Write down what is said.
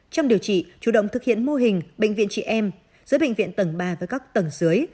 trong điều trị chủ động thực hiện mô hình bệnh viện chị em giữa bệnh viện tầng ba với các tầng dưới